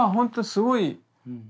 すごい。